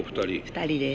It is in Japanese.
２人です。